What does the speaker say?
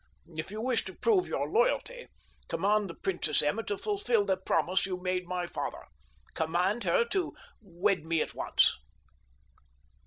If you wish to prove your loyalty command the Princess Emma to fulfil the promise you made my father—command her to wed me at once."